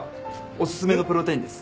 おすすめのプロテインです。